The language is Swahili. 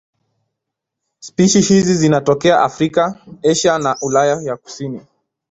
Spishi hizi zinatokea Afrika, Asia na Ulaya ya kusini.